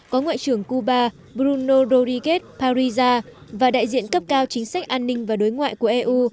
có ngoại trưởng cuba bruno rorriguez parisa và đại diện cấp cao chính sách an ninh và đối ngoại của eu